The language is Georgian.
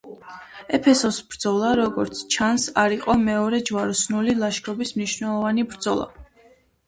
ეფესოს ბრძოლა, როგორც ჩანს, არ იყო მეორე ჯვაროსნული ლაშქრობის მნიშვნელოვანი ბრძოლა.